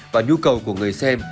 và nhu cầu của người xem